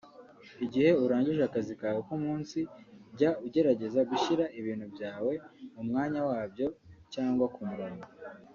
Igihe urangije akazi kawe k’umunsi jya ugerageza gushyira ibintu byawe mu mwanya wabyo/ku murongo